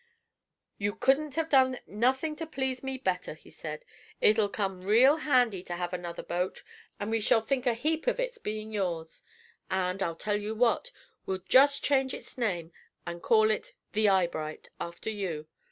"You couldn't have done nothing to please me better," he said. "It'll come real handy to have another boat, and we shall think a heap of its being yours. And, I'll tell you what, we'll just change its name, and call it 'The Eyebright,' after you.